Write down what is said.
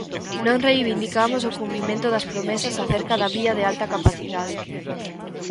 Non reivindicamos o cumprimento das promesas acerca da Vía de Alta Capacidade.